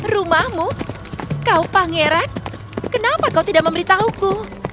rumahmu kau pangeran kenapa kau tidak memberitahuku